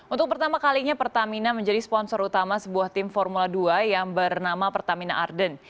untuk pertama kalinya pertamina menjadi sponsor utama sebuah tim formula dua yang bernama pertamina arden